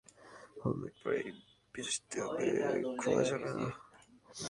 আমাদের কোম্পানির নিয়মই এটা, হেলমেট পরেই বেচতে হবে, খোলা যাবে না।